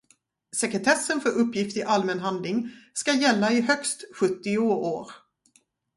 Sekretessen för uppgift i allmän handling ska gälla i högst sjuttio år.